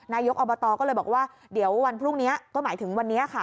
นายกอบตก็เลยบอกว่าเดี๋ยววันพรุ่งนี้ก็หมายถึงวันนี้ค่ะ